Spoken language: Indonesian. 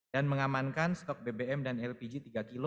dan mengamankan stok bbm dan lpg tiga kg